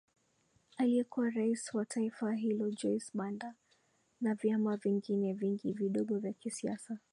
aliyekuwa rais wa taifa hilo Joyce Banda na vyama vingine vingi vidogo vya kisiasa